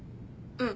うん。